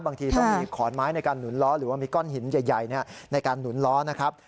บางทีต้องมีขอนไม้ในการหนุนล้อหรือว่ามีก้อนหินใหญ่ในการหนุนล้อนะครับ